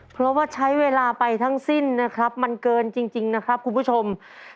เพราะว่าใช้เวลาไปทั้งสิ้นนะครับมันเกินจริงนะครับคุณผู้ชม